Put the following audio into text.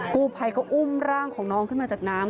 กู้ภัยก็อุ้มร่างของน้องขึ้นมาจากน้ำ